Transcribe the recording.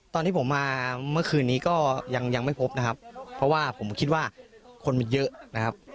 ตอนที่ผมมาเมื่อคืนนี้ก็ยังไม่พบนะครับเพราะว่าผมคิดว่าคนมันเยอะนะครับ